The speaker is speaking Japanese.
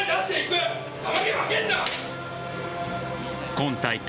今大会